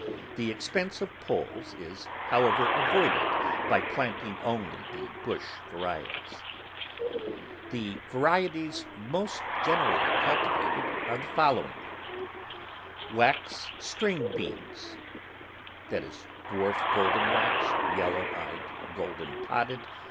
The expense of poles is, however, avoided by plant ing only the bush varieties. The varieties most generally cultivated are the following : r Dwarf Golden Wax. W^ax string beans. < Yellow eyed Golden Podded.